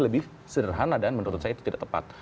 lebih sederhana dan menurut saya itu tidak tepat